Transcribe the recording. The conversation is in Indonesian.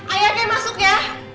ayah kay masuk ya